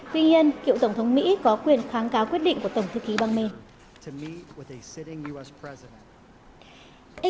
tuy nhiên kiệu tổng thống mỹ có quyền kháng cáo quyết định của tổng thư ký bang maine